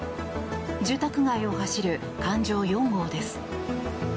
住宅街を走る環状４号です。